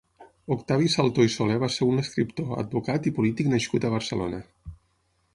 Octavi Saltor i Soler va ser un escriptor, advocat i polític nascut a Barcelona.